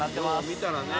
見たらね